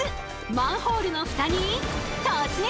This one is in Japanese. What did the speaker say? マンホールのフタに突撃！